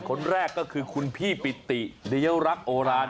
คนแรกก็คือคุณพี่ปิติเลี้ยวรักโอราน